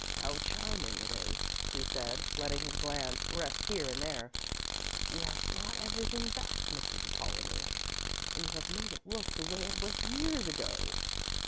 "How charming it is," he said, letting his glance rest here and there. "You have brought everything back, Mrs. Apollonie, and have made it look the way it was years ago."